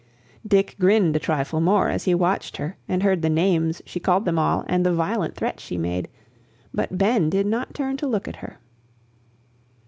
Dick grinned a trifle more as he watched her and heard the names she called them all and the violent threats she made, but Ben did not turn to look at her.